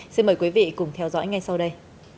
xin mời quý vị cùng theo dõi ngay sau đây